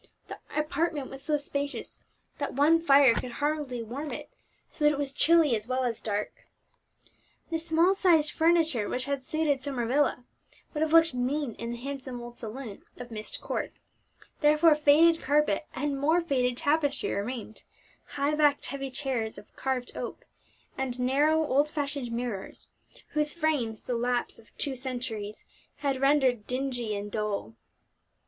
The apartment was so spacious that one fire could hardly warm it, so that it was chilly as well as dark. The small sized furniture which had suited Summer Villa would have looked mean in the handsome old saloon of Myst Court; therefore faded carpet and more faded tapestry remained, high backed heavy chairs of carved oak, and narrow old fashioned mirrors whose frames the lapse of two centuries had rendered dingy and dull.